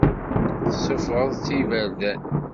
Tessufɣeḍ-tt i yiberdan.